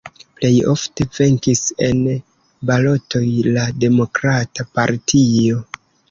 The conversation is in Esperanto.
Plej ofte venkis en balotoj la Demokrata Partio.